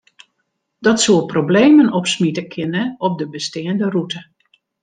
Dat soe problemen opsmite kinne op de besteande rûte.